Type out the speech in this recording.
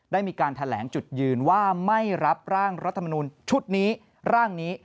ได้มีการแถลงจุดยืนว่าไม่รับร่างรัฐมนุนชุดนี้ร่างนี้